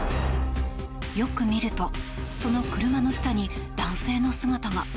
よく見るとその車の下に男性の姿が。